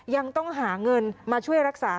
ยังต้องหาเงินมาช่วยรักษา